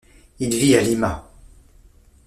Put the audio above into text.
Il vit à Lima.